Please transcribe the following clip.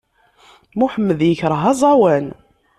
Muḥemmed yekṛeh aẓawan!